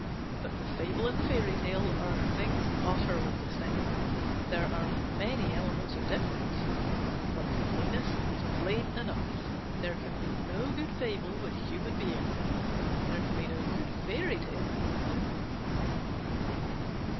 But the fable and the fairy tale are things utterly distinct. There are many elements of difference; but the plainest is plain enough. There can be no good fable with human beings in it. There can be no good fairy tale without them.